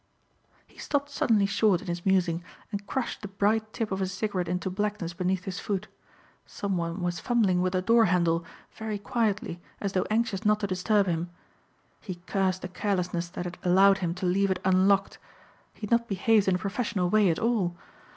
He stopped suddenly short in his musing and crushed the bright tip of his cigarette into blackness beneath his foot. Someone was fumbling with the doorhandle, very quietly as though anxious not to disturb him. He cursed the carelessness that had allowed him to leave it unlocked. He had not behaved in a professional way at all.